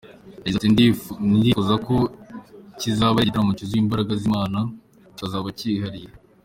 Yagize ati “Ndifuza ko kizaba ari gitaramo cyuzuye imbaraga z’Imana kizaba cyihariye.